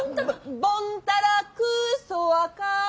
ボンタラクーソワカー。